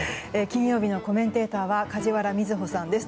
金曜日のコメンテーターは梶原みずほさんです。